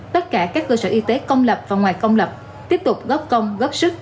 tất cả các cơ sở y tế công lập và ngoài công lập tiếp tục góp công góp sức